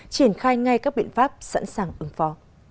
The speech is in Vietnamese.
triển khai ngay các biện pháp sẵn sàng ứng phó